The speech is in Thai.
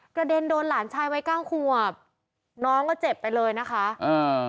กระเด็นโดนหลานชายวัยเก้าขวบน้องก็เจ็บไปเลยนะคะอ่า